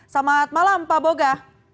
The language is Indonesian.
selamat malam pak boga